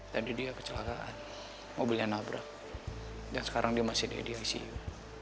tadi dia kecelakaan mobilnya nabrak dan sekarang dia masih di icu